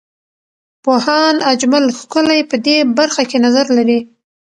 پوهاند اجمل ښکلی په دې برخه کې نظر لري.